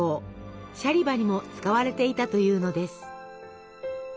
シャリバにも使われていたというのです。